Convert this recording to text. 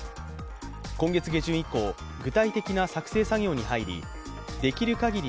今月下旬以降、具体的な作成作業に入りできる限り